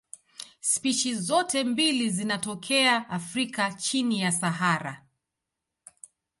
Spishi zote mbili zinatokea Afrika chini ya Sahara.